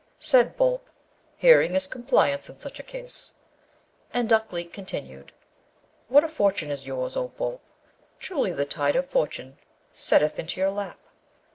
Said Boolp, 'Hearing is compliance in such a case.' And Ukleet continued, 'What a fortune is yours, O Boolp! truly the tide of fortune setteth into your lap.